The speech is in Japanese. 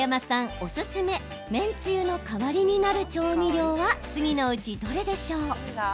おすすめめんつゆの代わりになる調味料は次のうちどれでしょう？